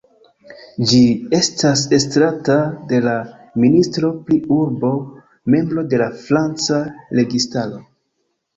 Ĝi estas estrata de la ministro pri urbo, membro de la franca registaro.